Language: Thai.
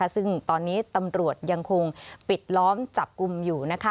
ซึ่งตอนนี้ตำรวจยังคงปิดล้อมจับกลุ่มอยู่